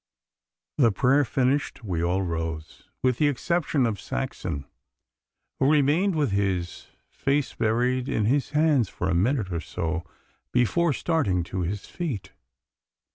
The prayer finished, we all rose with the exception of Saxon, who remained with his face buried in his hands for a minute or so before starting to his feet.